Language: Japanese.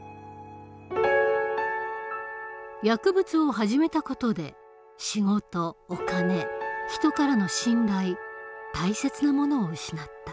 薬物を始めた事で仕事お金人からの信頼大切なものを失った。